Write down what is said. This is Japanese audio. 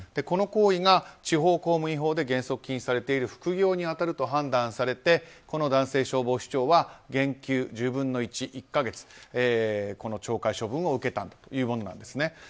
この行為が地方公務員法で原則禁止されている副業に当たると判断されてこの男性消防士長は減給１０分の１、１か月この懲戒処分を受けたということです。